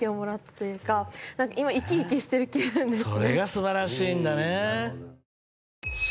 それが素晴らしいんだね。